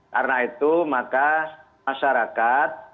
karena itu maka masyarakat